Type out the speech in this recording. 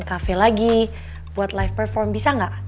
mau cafe lagi buat live perform bisa gak